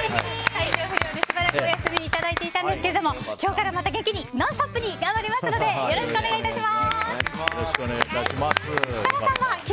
体調不良によりしばらくお休みしていましたが今日からまた元気にノンストップに頑張りますのでよろしくお願いいたします。